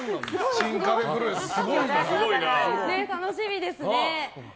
楽しみですね。